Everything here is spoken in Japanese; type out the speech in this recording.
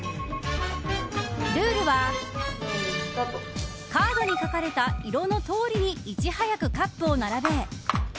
ルールはカードに書かれた色のとおりにいち早くカップを並べ。